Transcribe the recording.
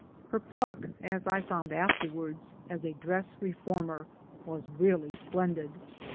Her pluck (as I found afterwards) as a dress reformer was really splendid.